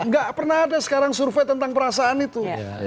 nggak pernah ada sekarang survei tentang perasaan itu